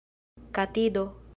katido